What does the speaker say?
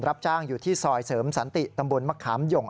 รับจ้างอยู่ที่ซอยเสริมสันติตำบลมะขามหย่ง